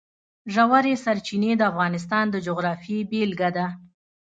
ژورې سرچینې د افغانستان د جغرافیې بېلګه ده.